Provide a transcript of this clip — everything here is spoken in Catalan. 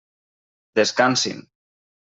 Descansin!